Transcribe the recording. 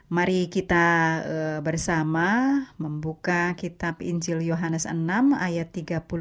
mari kita bersama membuka kitab incil yohanes enam ayat tiga puluh